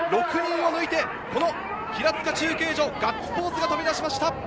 ６人を抜いて平塚中継所、ガッツポーズが飛び出しました。